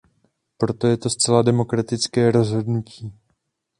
Proto je to zcela demokratické rozhodnutí.